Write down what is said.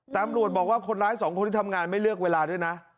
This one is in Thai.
ตำรวจบอกว่าคนร้ายสองคนที่ทำงานไม่เลือกเวลาด้วยนะ